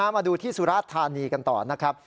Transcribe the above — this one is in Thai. มาดูที่สุราธานีกันต่อนะครับ